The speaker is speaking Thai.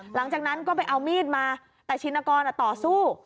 หลังจากนั้นก็ไปเอามีดมาแต่ชินกรต่อสู้